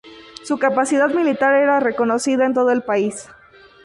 Su capacidad militar era reconocida en todo el país.